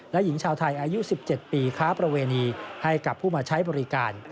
และหญิงชาวไทยอายุ๑๗ปีค้าประเวณีให้กับผู้มาใช้บริการ